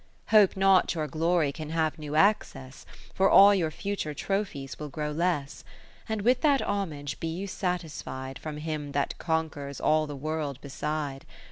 20 Hope not your glory can have new access, For all your future trophies will grow less : And with that homage be you satisfi'd From him that conquers all the world beside.